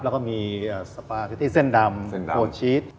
แล้วก็มีสปาเกตตี้เส้นดำโอชีส